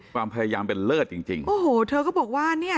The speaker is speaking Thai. ความพยายามเป็นเลิศจริงจริงโอ้โหเธอก็บอกว่าเนี่ย